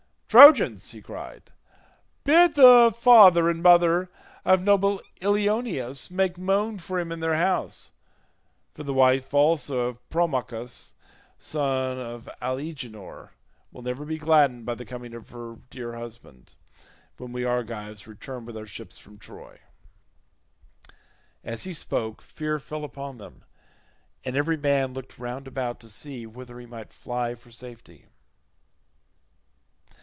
"Trojans," he cried, "bid the father and mother of noble Ilioneus make moan for him in their house, for the wife also of Promachus son of Alegenor will never be gladdened by the coming of her dear husband—when we Argives return with our ships from Troy." As he spoke fear fell upon them, and every man looked round about to see whither he might fly for safety.